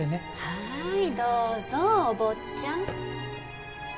はいどうぞお坊ちゃん